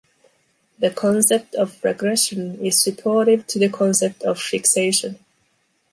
The concept of regression is supportive to the concept of fixation.